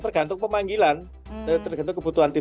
tergantung pemanggilan tergantung kebutuhan